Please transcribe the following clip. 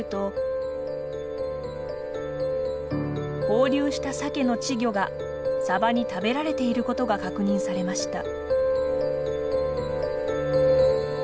放流したサケの稚魚がサバに食べられていることが確認されました。